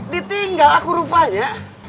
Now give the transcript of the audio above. ditinggal aku rupanya